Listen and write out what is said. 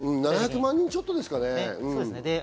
アメリカに７００万人ちょっとですかね。